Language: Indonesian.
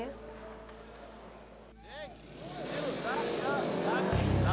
neng ini rusak ya